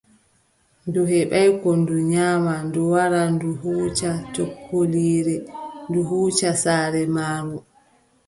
Ndu heɓaay ko ndu nyaama, ndu wari, ndu hooci sokoliire, ndu huuci saare maaru.